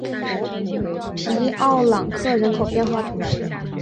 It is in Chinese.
皮奥朗克人口变化图示